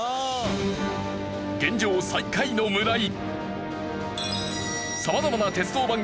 現状最下位の村井。